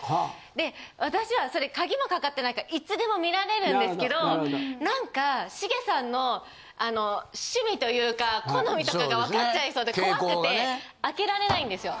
で私はそれ鍵もかかってないからいつでも見られるんですけど何かしげさんの趣味というか好みとかが分かっちゃいそうで怖くて開けられないんですよ。